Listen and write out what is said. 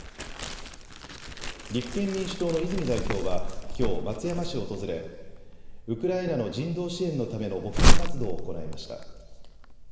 立憲民主党の泉代表はきょう、松山市を訪れウクライナの人道支援のための募金活動を行いました。